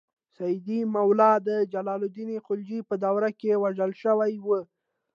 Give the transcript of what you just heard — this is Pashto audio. سیدي مولا د جلال الدین خلجي په دور کې وژل شوی و.